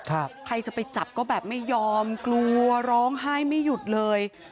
ใครจะไปจับก็แบบไม่ยอมกลัวร้องไห้ไม่หยุดเลย